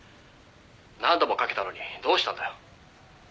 「何度もかけたのにどうしたんだよ？」